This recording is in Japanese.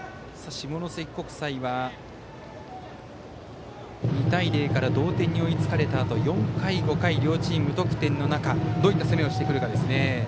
下関国際は２対０から同点に追いつかれたあと４回、５回、両チーム無得点の中どういった攻めをしてくるか。